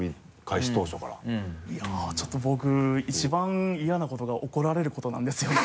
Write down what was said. いやぁちょっと僕一番嫌なことが怒られることなんですよね。